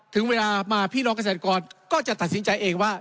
ถึงเวลามาพี่น้องเกษตรกรก็จะตัดสินใจเองว่า